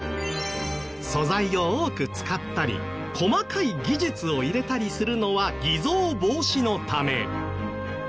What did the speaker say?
素材を多く使ったり細かい技術を入れたりするのは偽造防止のため。